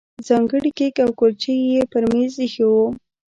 ځانګړي کیک او کولچې یې پر مېز ایښي وو.